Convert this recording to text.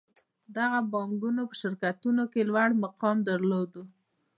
دغو بانکونو په شرکتونو کې لوړ مقام درلود